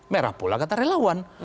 merah pula kata relawan